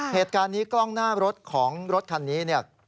เหตุการณ์นี้กล้องหน้ารถของรถคันนี้เนี่ย